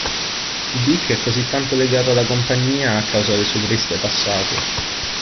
Deke è così tanto legato alla compagnia a causa del suo triste passato.